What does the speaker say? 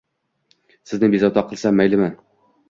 Sizni bezovta qilsam maylimi?